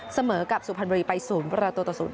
เสมอกับสุพรรณบุรีไป๐ประตูต่อ๐